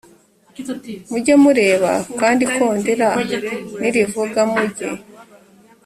mujye mureba kandi ikondera nirivuga mujye